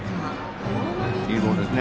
いいボールですね。